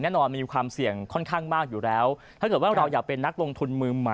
แน่นอนมันมีความเสี่ยงค่อนข้างมากอยู่แล้วถ้าเกิดว่าเราอยากเป็นนักลงทุนมือใหม่